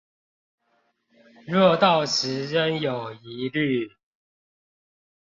若到時仍有疑慮